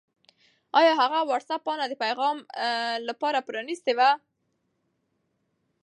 آیا هغه د وټس-اپ پاڼه د پیغام لپاره پرانستې وه؟